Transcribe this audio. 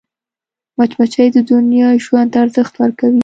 مچمچۍ د نبات ژوند ته ارزښت ورکوي